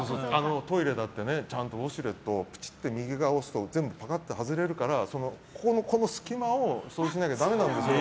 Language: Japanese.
トイレだってちゃんとウォシュレットの右側を押すと全部外れるからその隙間を掃除しなきゃだめなんですよ。